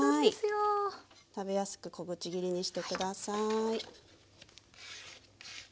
食べやすく小口切りにして下さい。